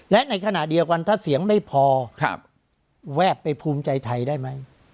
และในขณะเดียวกันถ้าเสียงไม่พอแวบไปภูมิใจไทยได้ไหม